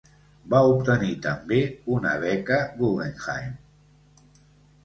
Va obtenir també una beca Guggenheim.